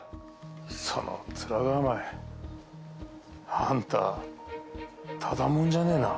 そのツラ構えあんたただ者じゃねえな。